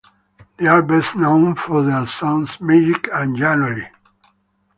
They are best known for their songs "Magic" and "January".